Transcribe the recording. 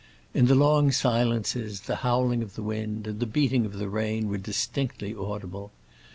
In the long silences the howling of the wind and the beating of the rain were distinctly audible.